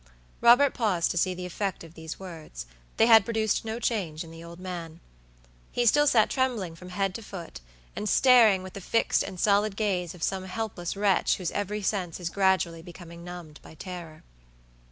Robert paused to see the effect of these words. They had produced no change in the old man. He still sat trembling from head to foot, and staring with the fixed and solid gaze of some helpless wretch whose every sense is gradually becoming numbed by terror.